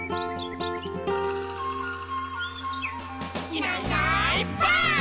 「いないいないばあっ！」